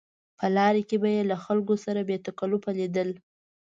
په لاره کې به یې له خلکو سره بې تکلفه لیدل.